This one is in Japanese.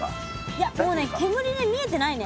いやもうね煙で見えてないね。